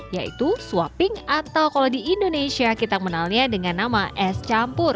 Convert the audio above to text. yaitu swapping atau kalau di indonesia kita mengenalnya dengan nama es campur